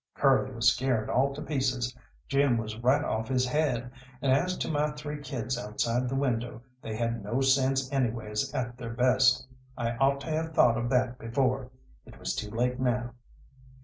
Curly was scared all to pieces, Jim was right off his head, and as to my three kids outside the window, they had no sense anyways at their best. I ought to have thought of that before; it was too late now.